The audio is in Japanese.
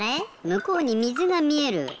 むこうにみずがみえる。